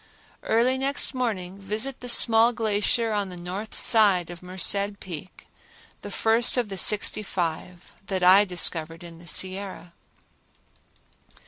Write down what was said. Early next morning visit the small glacier on the north side of Merced Peak, the first of the sixty five that I discovered in the Sierra.